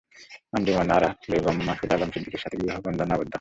আঞ্জুমান আরা বেগম মাসুদ আলম সিদ্দিকীর সাথে বিবাহবন্ধনে আবদ্ধ হন।